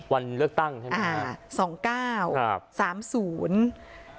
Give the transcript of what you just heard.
วันเลือกตั้งใช่มั้ยคะ